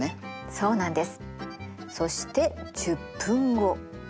そうなんです。